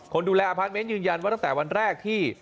คนดูแลอพาร์ทเมนต์ยืนยันว่าตั้งแต่วันแรกที่